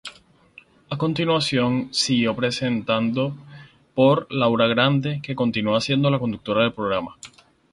A continuación siguió presentado por Laura Grande, que continúa siendo la conductora del programa.